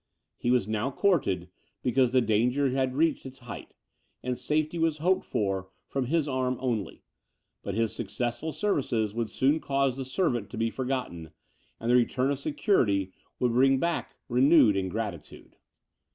He was now courted, because the danger had reached its height, and safety was hoped for from his arm only; but his successful services would soon cause the servant to be forgotten, and the return of security would bring back renewed ingratitude.